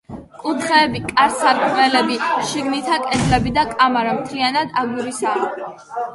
კუთხეები, კარ-სარკმლები, შიგნითა კედლები და კამარა, მთლიანად აგურისაა.